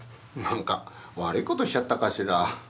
何か悪いことしちゃったかしら？